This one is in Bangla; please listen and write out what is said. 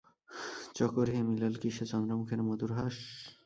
চকোর হে, মিলাল কি সে চন্দ্রমুখের মধুর হাস?